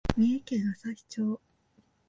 三重県朝日町